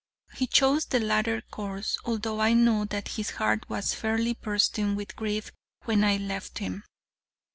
He chose the latter course, although I know that his heart was fairly bursting with grief when I left him.